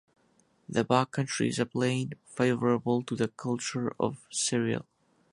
The back country is a plain, favourable to the culture of cereal.